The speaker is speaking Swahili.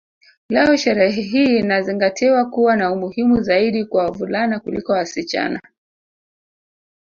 Leo sherehe hii inazingatiwa kuwa na umuhimu zaidi kwa wavulana kuliko wasichana